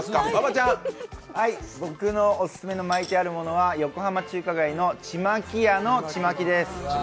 僕のお勧めの巻いてあるものは横浜中華街のちまき屋のちまきです。